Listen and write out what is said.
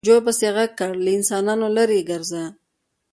جوجو پسې غږ کړ، له انسانانو ليرې ګرځه.